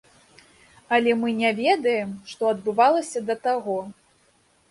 Але мы не ведаем, што адбывалася да таго.